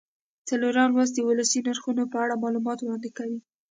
څلورم لوست د ولسي نرخونو په اړه معلومات وړاندې کوي.